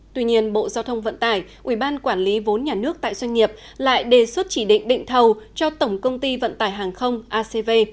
tuy nhiên bộ giao thông vận tải ubnd tại doanh nghiệp lại đề xuất chỉ định định thầu cho tổng công ty vận tải hàng không acv